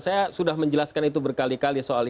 saya sudah menjelaskan itu berkali kali soal